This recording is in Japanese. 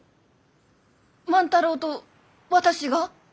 万太郎と私が？